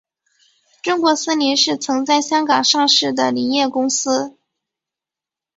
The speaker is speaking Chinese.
中国森林是曾在香港上市的林业公司。